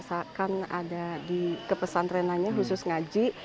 kemudian kita biasakan ada di kepesan trenannya khusus ngaji